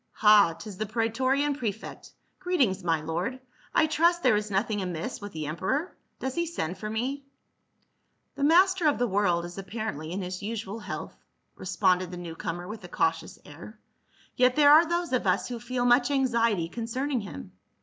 Ha, 'tis the praetorian prefect. Greet ings, my lord ; I trust there is nothing amiss with the emperor ; does he send for me ?" "The master of the world is apparently in his usual health," responded the new comer with a cautious air. " Yet there are those of us who feel much anxiety concerning him.